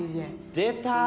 出た！